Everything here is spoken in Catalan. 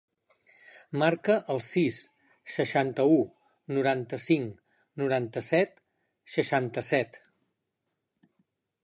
Marca el sis, seixanta-u, noranta-cinc, noranta-set, seixanta-set.